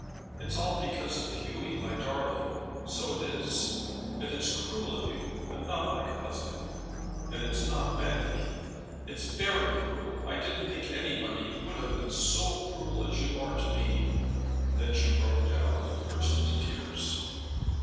It's all because of Hughy, my darling, so it is; and it's cruel of you, and not like a husband; and it's not manly. It's very cruel. I didn't think anybody would have been so cruel as you are to me." Then she broke down and burst into tears.